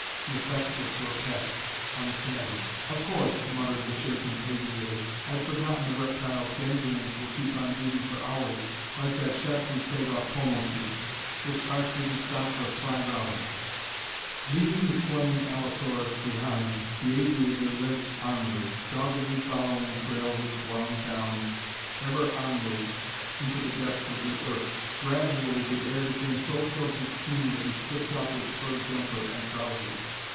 The effect was grotesque, uncanny. "Of course," muttered the shaken aviator, "I'd forgotten a reptile's ganglions will keep on beating for hours, like that shark we killed off Paumotu. Its heart didn't stop for five hours." Leaving the slain allosaurus behind, the aviator limped onwards, doggedly following a trail which wound down, ever onwards, into the depths of the earth. Gradually the air became so filled with steam that he stripped off his fur jumper and trousers.